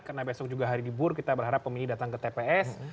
karena besok juga hari libur kita berharap pemilih datang ke tps